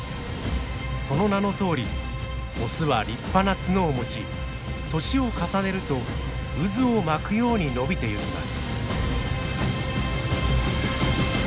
その名のとおりオスは立派な角を持ち年を重ねると渦を巻くように伸びてゆきます。